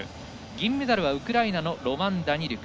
銀メダルはウクライナのロマン・ダニリュク。